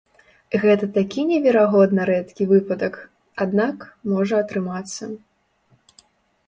Гэта такі неверагодна рэдкі выпадак, аднак, можа атрымацца.